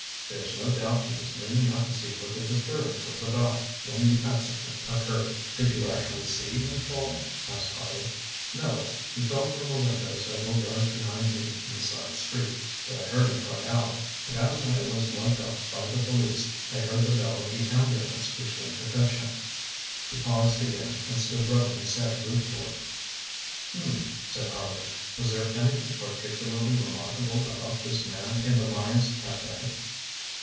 There's no doubt he was leaning out to see what the disturbance was about when the accident occurred. ŌĆØ ŌĆ£Did you actually see him fall? ŌĆØ asked Harley. ŌĆ£No. He fell from a window several yards behind me in the side street, but I heard him cry out, and as I was lugged off by the police I heard the bell of the ambulance which came to fetch him. ŌĆØ He paused again and stood rubbing his head ruefully. ŌĆ£H'm,ŌĆØ said Harley; ŌĆ£was there anything particularly remarkable about this man in the Lyons' cafe?